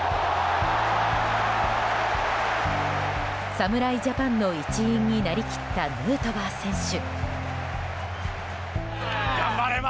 侍ジャパンの一員に成り切ったヌートバー選手。